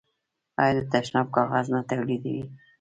آیا د تشناب کاغذ نه تولیدوي؟